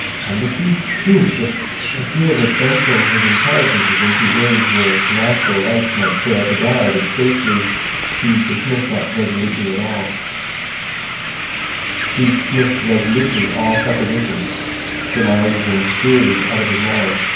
Embassy! Phew! For fear of adventuring his intelligence into ways where its natural lights might fail to guide it safely he dismissed resolutely all suppositions, surmises, and theories out of his mind.